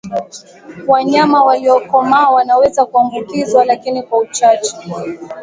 wanyama waliokomaa wanaweza kuambukizwa lakini kwa uchache